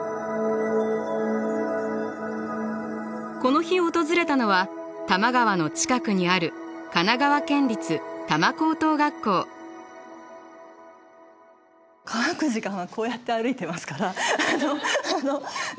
この日訪れたのは多摩川の近くにある乾く時間はこうやって歩いてますからあの。